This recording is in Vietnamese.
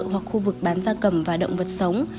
hoặc khu vực bán da cầm và động vật sống